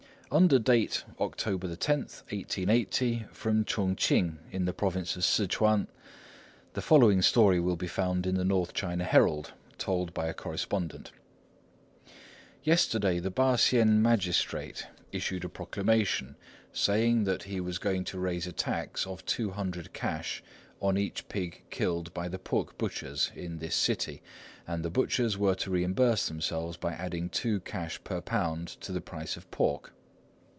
Under date October 10, 1880, from Chung king in the province of Ssŭch'uan, the following story will be found in the North China Herald, told by a correspondent:— "Yesterday the Pah shien magistrate issued a proclamation, saying that he was going to raise a tax of 200 cash on each pig killed by the pork butchers of this city, and the butchers were to reimburse themselves by adding 2 cash per pound to the price of pork.